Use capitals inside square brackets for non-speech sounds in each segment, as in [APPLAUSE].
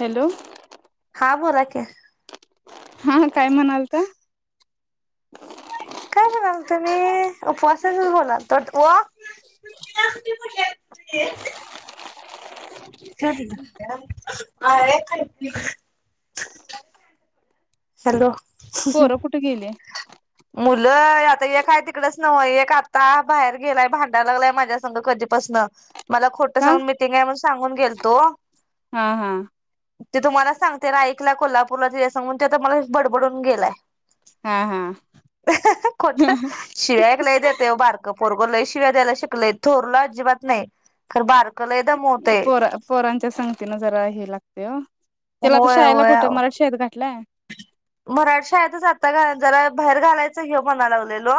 Hello हा बोला की. हा हा काय म्हणाल ता? काय म्हणालतो मी उपवासाच बोलाल तो ओ ठेव तीत [UNINTELLIGIBLE] हॅलो पोरं कुठ गेली. मुलं आता एक हाय तिकडच नव्ह एक आता बाहेर गेलाय भांडायला लागलाय माझ्या संघ कधी पासनं मला खोटं का सांगून मिटिंग आहे म सांगून गेलतो हा हा ते तुम्हाला सांगतेना ऐकला कोल्हापूरला तिला सांगून ते आता मलाच बडबडून गेलाय. हा हा खोट शिव्या एक लय देतय ओ बारक पोर तो लय शिव्या द्यायला शिकलय थोरला अजिबात नाही खरं बार पोर पोरांच्या संगतीन जरा हे लागतय ओ त्याला आता होय शाळेला होय कुठ अहो मराठी शाळेत घाठलाय. मराठी शाळेतच आता जरा बाहेर घालायचं ह्यो म्हणा लागलेलो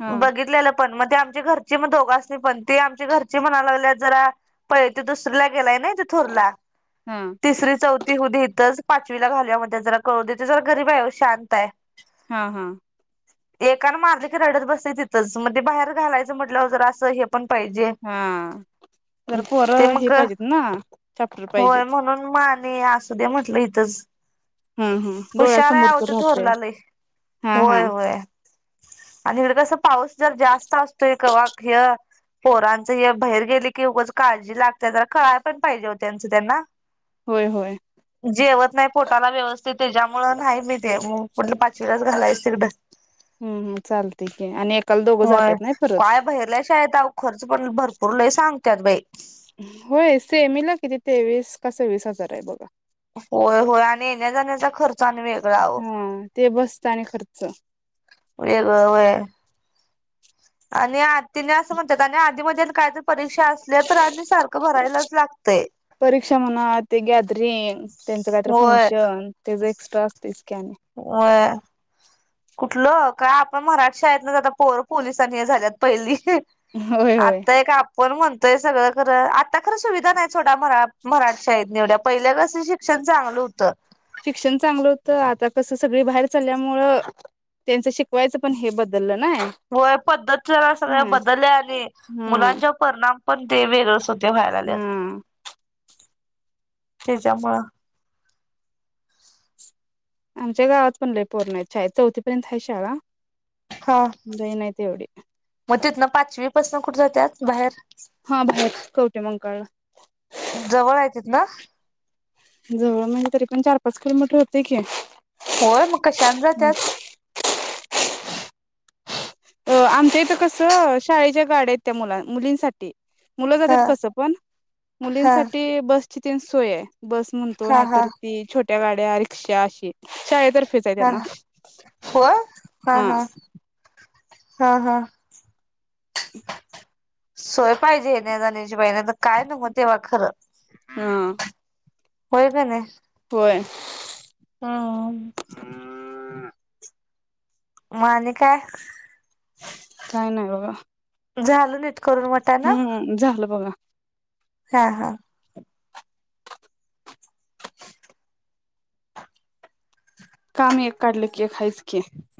हा बघितलेल पण म ते आमच्या घरची म दोघास्नी पण त आमच्या घरची म्हणाय लागल्या जरा पहि दुसरी ला गेलाय नय थोरला हा तिसरी चौथी होऊ दे इथंच पाचवीला घालूया म्हण त्याल जरा कळू देत जरा गरीब हाय शांत हाय हा हा एकान मारले की रडत बसतय तिथंच म बाहेर घालायचं म्हटल्यावर जरा असं हे पण पाहिजे हा जरा ते पोरं हे मग पाहिजेत ना चापटर पाहिजेत. ते आणि असूद्या म्हटलं इथंच हम् हम हुशार हाय आहो डोळ्यासमोरच राहते थोरला लइ हा हा होय होय आणि हिकडं कस पाऊस जर जास्त असतोय. कवा ह्य पोरांच हे बाहेर गेले की उगच काळजी लागते तर कळाय पण पाहिजे हो त्यांचं त्यांना होय होय जेवत नाय पोटाला व्यवस् ते त्याच्यामुळ नाही मी ते मग म्हटलं पाचवीेला घालायचं तिकडं हम् हम चालते की आणि एकाला दोघं होय जातात नाही परत काय बहेरल्या शाळेत अहो खर्च पण भरपूर लय सांगत्यात बय होय सेमीला किती तेवीस का सव्वीस हजार हाय बघा होय होय आणि येण्या जाण्याचा खर् र्च आणि वेगळा आहो हा ते बस च आणि खर्च वेगळ व्हय आणि आत तिनी आस म्हणत्यात आणि आदी मदी काय त परी लागतंय परीक्षा म्हणा ते गॅदरिंग त्यांच काहीत फंक्शन तेच एक्स्ट्रा असतयच व्हय. कुठलं काय? आपल्या मराठी शाळेत आता पोर पोलिस आणि हे झाल्यात पहिली होय होय म्हणून म्हणतोय सगळं खरं आता खरं सुविधा नाही सोडा मराठी शाळेत नि एवड्या पहिल्या कसं शिक्षण चांगलं होतं? शिक्षण चांगलं होतं आता कस? सगळी बाहेर चालल्यामुळ त्यांच शिक् व्हय पद्धत जरा सगळ्या हम्म बदलल्या आणि हम्म मुलांच्या वर परिणाम पण ते वेगळेच होते व्हायला लागल्यात हम्म त्याच्यामुळं आमच्या गावात पण लय पोरी नाहीत तर शाळेत चौथी पर्यंत हाय शाळा हा लई नाहीत एवढी मग तिथनं पाचवी पासून कुठ जात्यात बाहेर हा बाहेर कवटे मंकाळला जवळ आहे तिथंन जवळ म्हणजे तरी पण चार पाच किलोमीटर होतय की होय मग कश्यान जात्यात? अ आमच्या इथं कसं शाळेच्या गाड्या आहेत त्या मुला मुलींसाठी मुलं जातात हा कस पण हा मुलींसाठी बस तीन सोय आहे बस म्हणतो हा नाहीत हा ती छोटी छोट्या गाड्या रिक्षा अशी शाळेत हा होय हा हा हा हा सोय पाहिजे येण्या जाण्याची बाई तर काय नव तेव्हा खरं हां होय कनी हो [INAUDIBLE] हा हा हम् [INAUDIBLE] म आणि काय काय नाही बघा? झालं नाही नीट करून वाटाणा हम्म झालं बघा हा हा काम एक काढलं की खायच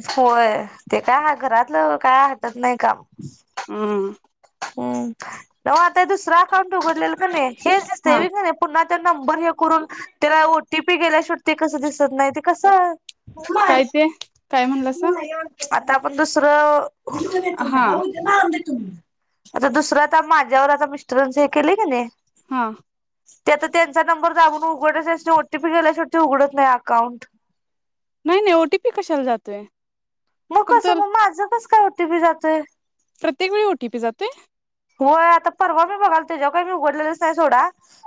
होय ते काय हाय घरातल? का [INAUDIBLE] त नाही काम हम्म हम्म [INAUDIBLE] नव्ह दुसर अकाउंट उघलले कनी हेच असतय हा व्हय कनि पुन्हा ते नंबर हे करून त्याला ओटी पी गेल्या शेवट कसं दिसत नाही ते कसं? काय ते काय, म्हणलासा. आता आपण दुसरं. हा [UNINTELLIGIBLE] आता दुसरं, आता माझ्यावर आता मिस्टरानं च हे केलेय की नाही. हा त्यात त्यांचा नंबर दाबून उघडलस ओटीपी गेल्या शेवटी उघडत नाही अकाउंट. नाही नाही ओ टी पी कशाला जातोय म फक्त कसं म माझं कसं? काय ओटीपि जातोय? प्रत्येक वेळी ओटीपी जातोय? होय आता परवा मी बघालतो तेज्यावर काय मी उघडलेललेच नाही सोडा.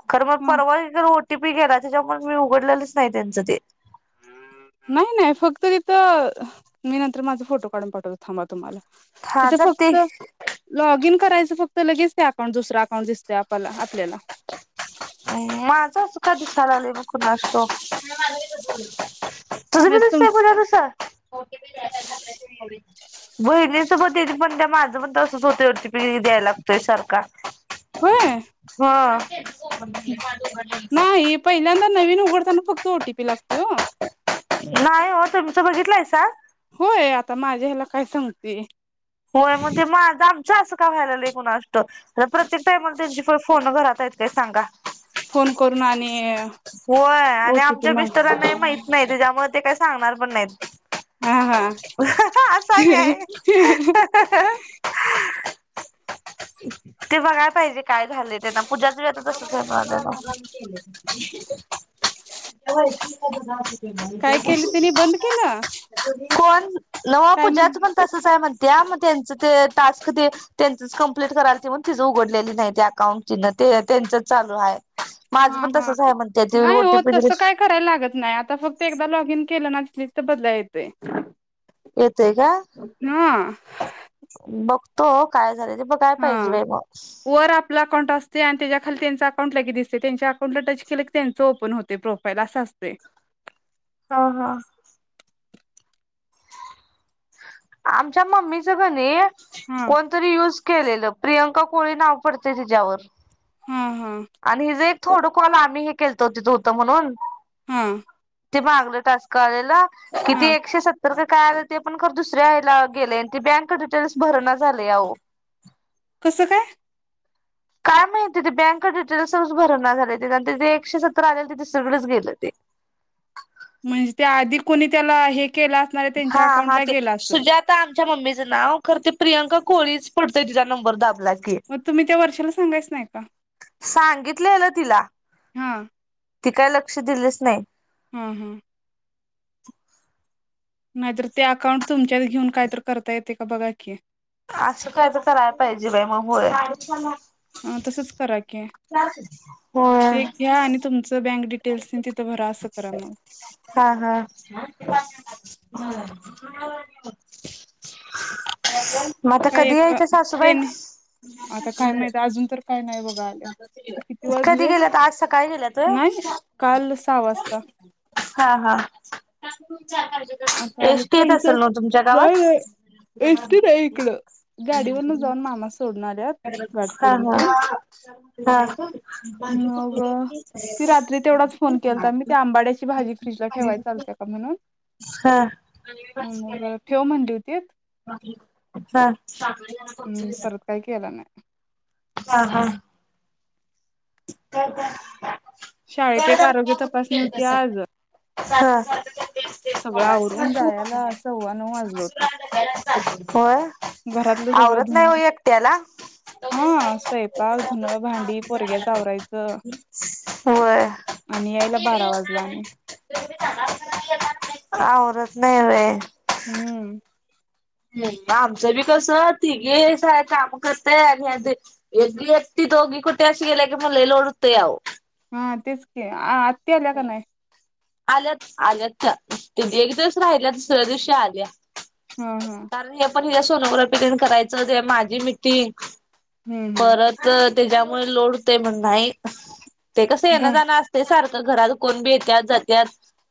खर म हा परवा हेज्यावर ओ ट टी पी गेला त्याच्यामुळ मी उघडलेलंच नाही त्यांचं ते नाही, नाही, फक्त तिथं अ मी नंतर माझ फोटो काढून पाठवतो. थांबा तुम्हाला. हा तिथं जर ते फक्त लॉग इन करायचं फक तर लगेच ते अकाउंट, दुसराअकाउंट, दिसतय आपाला आपल्याला माझं असं का [UNINTELLIGIBLE] तुझ बी नाही तुमचं दिसतय पूजा तस बघितलीस. हो दिदी, म्हणतीया माझं पण तसंच होतय ओ टी ते द्याय लागतोय सारखा होय ह. [UNINTELLIGIBLE] नाय नवीन उघडताना फक्त ओ टी पी लागतय ओ. नाही ओ तूमच बघितलायसा. होय आता माझ्या ह्याला काय सांगती. होय म्हणते माजा. छे असं का व्हायलय कुणास ठाउक, प्रत्येक टाइमाला त्यांची फोन घरात हाइत काय सांगा. फोन करून आणि. होय आणि ओटीपी आमच्या मग मीस्टरांना, हे माहित नाही त्याच्यामुळे ते काय सांगणार पण नाहीत. हा हा असा आणि आहे ते बघाया पाहिजे. काय झालंय त्यांना पूजाच बी आता तसच हाय [UNINTELLIGIBLE] काय केल तेनी बंद केल. कोण नवं पूजाचं पण तसंच हाय म्हणतीया मग त्यांचं ते टास्क ते त्यांचच कंप्लीट करालती, म्हणून तिचं उघडलेल नाही ते अकाउंट तीन ते त्यांचंच चालू हाय. हा हा नाही हो ओटीपी दिले तस काय करायला लागत नाही आता फक्त एकदा लॉगिन केलं ना [UNINTELLIGIBLE] बदला येतय. येतेय का?.. बघ तो काय झालय ते बघाय हा पाहिजे बाई मग वर आपला अकाउंटअसते आणि त्याच्या खाली त्यांचे अकाउंट लगेच दिसतय तेंच्या अकाऊंट ला टच केलं की त्यांचं ओपन होतय, प्रोफाईल अस असतय हा हा आमच्या मम्मीच [UNINTELLIGIBLE] हा कोणतरी युज केलेलं प्रियांका कोळी नाव पडते तिच्यावर. हा हा आणि हे जे थोडं काॅल आम्ही ही केलत हो, तिथं होतं म्हणून हा.. ते मागलं टाॅस्क आलेलं. किती हा एकशे सत्तर [UNINTELLIGIBLE] काल ते पण खरं दुसऱ्या हेला गेलय ते बँक डिटेल्स भरना झालेय आव कसं काय? काय माहिती, ते बँक डिटेल्सच भरना झालय, ते जे एकशे सत्तर आलेल ते सगळंच गेलं ते म्हणजे त्या आधी कोणी त्याला हे... केलं आसणार आहे, त्यांच्या अकाउंटला गेल असलं. च्या मम्मीचं नाव खरं ते प्रियंका कोळीच पडतेय तिचा नंबर दाब [UNINTELLIGIBLE] कि मग तुम्ही त्या वर्षाला सांगायच नाही का सांगितलेल तिला. हा ती काय लक्ष दिलीच नाही. हूं.. हूं.. ती नाहीतर ते अकाउंट तुमच्यात घेऊन, काय तर करता येतं का, बघा की. असं काय तर करायला पाहिजे बाई [INAUDIBLE] मग होय आं.. तसंच करा की [UNINTELLIGIBLE] ते घ्या [INAUDIBLE] आणि तुमचं बँक हूं.. डिटेल्स तेन तिथं भरा असं करा हा मग हा [INAUDIBLE] होय ह‌् [INAUDIBLE] काय एकदा त्यांनी, आता काय माहित, अजून तरी काय नाही बघं. कधी गेल्यात? आज सकाळी गेल्यात नाही व्हयं, काल सहा वाजता [INAUDIBLE] हा हा हूं.. आता आली तर इथं तुमच्या नाही, गावात नाही, एस टी नाही इकडं गाडीवरन जाऊन मामा सोडून आल्यातं. हा.. मग हा.. ती रात्री तेवढाच फोन केलता मी त्या आंबाड्याची हा.. भाजी फ्रीजला ठेवाय चालते का म्हणून [INAUDIBLE] हा तेच हा परत काही केला नाही हा, हा हो का शाळेत एक आरोग्य तपा केलतं सगळं सारखं, सारखं बी तेच, तेच सगळं करायचं आवरून जायला सव्वा नऊ वाजलं होतं मसूरडाळ होय घरातलं सगळं आवरत धुन नाही हो एकट्याला हा स्वपाक धुन भांडी पोरग्या आवरायचं होय आणि यायला बारा वाजल आणि आवरत नाही व्हय हम्म आमचं बी कस तिघे स काम करतय आणि एक एकटी दोघी कुठे अस गेल्या की मला लोड होतय अहो हा तेच की आ त्या का नाही आल्यात आल्यात त एक दिवस राहिल्या दुसऱ्या दिवशी आल्या ह, ह तिला सोनोग्राफी करायचं ते माझी मिीटिंग हम्म हम्म परत त्याच्यामुळे लोड होतय म नाही ते कसं घ येणं जाणं असते सारखं घरात कोण बी येत्या जात्याात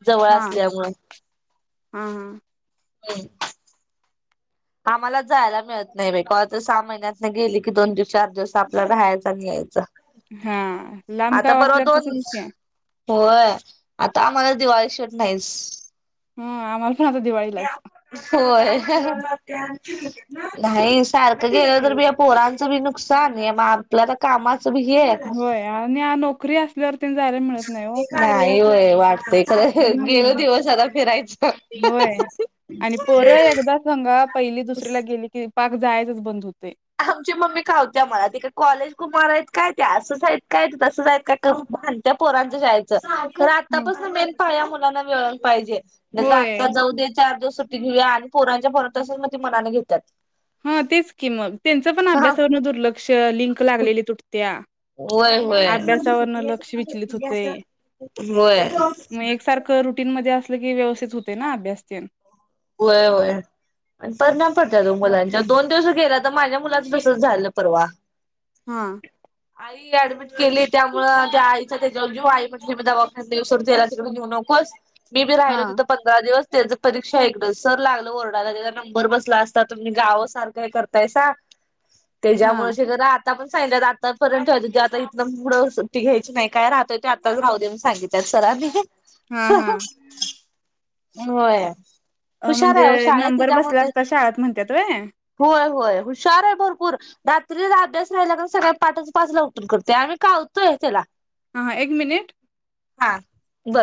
जवळ असल्यामुळे ह, ह आम्हाला जायला मिळत नाही बाई कवा सहा महिन्यात नाही गेली कि दोन दिवस चार दिवस आपल्याला राहायचा आणि यायच हा लांब गाव असल्यावर दोन तसच होय आता आम्हाला दिवाळी शेवट नाहीस हम आम्हा आता दिवाळीलाच होय नाही सारखं गेलं तर बी या पोरांचं बी नुकसान आहे मग आपल्या तर कामाच होय आणि नोक फ्री असल्यावर जायला मिळत नाही हो व्हय वाटतं गेलो हम्म दिवस आता फिरायचं होय आणि पोरं एकदा सांगा पहिली दुसरीला गेली की पाक जायच बंद होत आमची मम्मी कावतीया आम्हाला तिकडं कॉलेज कुमार आहेत काय ते? असंच आहेत काय? ते तसंच आहेत करुन भाडंतीया पोरांचं शाळेच. खरं हम्म आतापासून मेन पाया मुलांना प पाहिजे म्हटलं होय आत्ता जाऊ दे, चार दिवस सुट्टी घेऊया, आणि पोरां [UNINTELLIGIBLE] तसचं म्हणतोय मनानं घेत्यात. ह तेच की मग. त्यांच पण अभ्यासावरून दुर्लक्ष लिंक लागलेली तुटत्या. त्या होय होय विचलित होतय. [UNINTELLIGIBLE] होय मग एकसारखं रुटीन मध्ये असलं की व्यवस्थित होते ना अभ्यास तेण व्हय व्हय परिणाम पडत्यात ओ मुलांच्यावर दोन दिवस गेल्या. आता माझ्या मुलाच तसच झालं परवा. हा [UNINTELLIGIBLE] ऍडमिट केली त्यामुळ त्या आईचा त्याच्या वर जीव आई म्हटली दवाखान्या तन येईस्तोवर त्याला तिकडं नेऊ नकोस. मी बी राहिलो हा तिथं पंधरा दिवस. त्याच परीक्षा इकड सर लागलं ओरडायला त्याचा नंबर बसला असता तुम्ही गावा सारखं हे करताय सा हा त्याच्यामुळे अशी घरात आता पण सांगितलंत आता पर्यंत आता इथलं पुढं सुट्टी घ्यायची नाही. काय? राहतोय ते आताच राहू दे म्हणून सांगितलय सरांनी. हा हा होय [INAUDIBLE] अ हुशार म्हणजे आहे शाळेत नंबर बसला त्याच्यामुळे असता शाळेत म्हणत्यात होय होय होय हुशार आहे भरपूर रात्री अभ्यास राहिला, तर सकाळी पहाट पाचला उठून करतोय आम्ही कावतोय त्याला. हां हां एक मिनिट हा बो